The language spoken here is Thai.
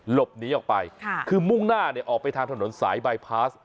หลบหนีออกไปคือมุ่งหน้าเนี่ยออกไปทางถนนสายบายพาส